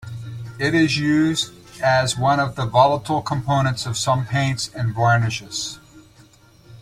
It is used as one of the volatile components of some paints and varnishes.